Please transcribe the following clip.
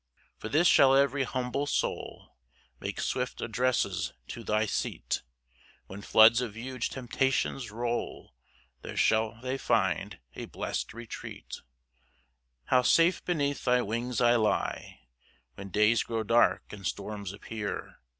3 For this shall every humble soul Make swift addresses to thy seat; When floods of huge temptations roll, There shall they find a blest retreat. 4 How safe beneath thy wings I lie, When days grow dark, and storms appear!